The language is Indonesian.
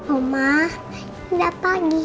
uma udah pagi